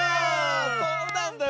そうなんだよ。